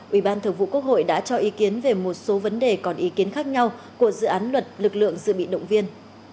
ủy ban thường vụ quốc hội đã cho ý kiến về một số vấn đề còn ý kiến khác nhau của dự án luật lực lượng dự bị động viên